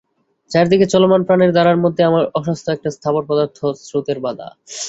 চারিদিকের চলমান প্রাণের ধারার মধ্যে আমার অস্বাস্থ্য একটা স্থাবর পদার্থ, স্রোতের বাধা।